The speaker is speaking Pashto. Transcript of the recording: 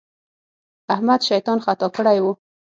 احمد شيطان خطا کړی وو.